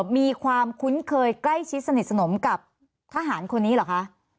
มีความคุ้นเคยใกล้ชิดสนิทสนมกับทหารคนนี้เหรอคะ